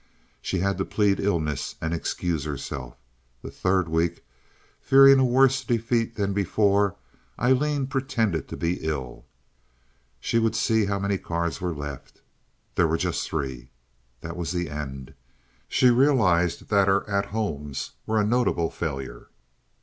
She had to plead illness and excuse herself. The third week, fearing a worse defeat than before, Aileen pretended to be ill. She would see how many cards were left. There were just three. That was the end. She realized that her "at homes" were a notable failure.